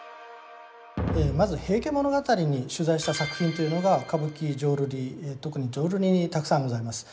まず「平家物語」に取材した作品というのが歌舞伎浄瑠璃特に浄瑠璃にたくさんございます。